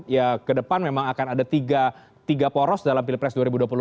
ya ke depan memang akan ada tiga poros dalam pilpres dua ribu dua puluh empat